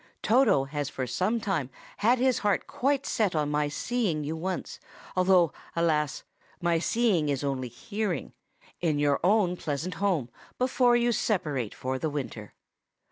Toto has for some time had his heart quite set on my seeing you once—though, alas! my seeing is only hearing—in your own pleasant home, before you separate for the winter.